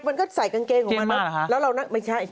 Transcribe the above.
มันก็ใส่กางเกงของมันเนอะแล้วเรานั่งไม่ใช่